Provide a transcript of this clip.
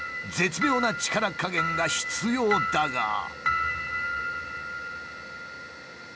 絶妙な力加減が必要だが。